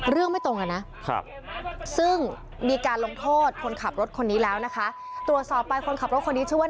ไม่ตรงกันนะซึ่งมีการลงโทษคนขับรถคนนี้แล้วนะคะตรวจสอบไปคนขับรถคนนี้ชื่อว่า